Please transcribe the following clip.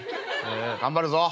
「頑張るぞ。